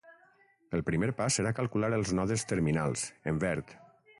El primer pas serà calcular els nodes terminals, en verd.